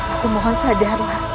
aku mohon sadarlah